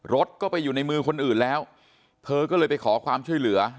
รถก็ไปอยู่ในมือคนอื่นแล้วเธอก็เลยไปขอความช่วยเหลือ